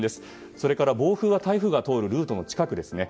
それから暴風は台風が通るルートの近くですね。